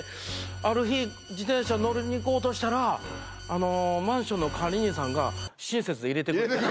ある日自転車乗りに行こうとしたらマンションの管理人さんが。